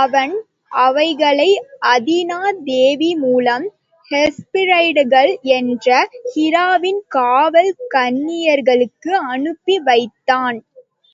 அவன் அவைகளை அதீனா தேவி மூலம் ஹெஸ்பிரைடுகள் என்ற ஹீராவின் காவல் கன்னியர்களுக்கு அனுப்பி வைத்தான்.